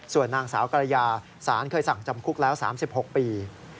ส่วนนางสาวกรยาศาลเคยสั่งจำคุกแล้ว๓๖ปี